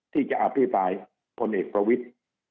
ที่จะอภิปรายพลเอกประวิทธิ์